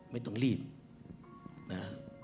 ไม่ต้องรีบนะ